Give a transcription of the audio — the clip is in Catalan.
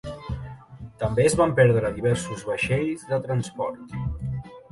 També es van perdre diversos vaixells de transport.